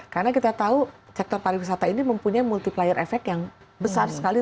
karena kita tahu sektor parwisata ini mempunyai multiplier efek yang besar sekali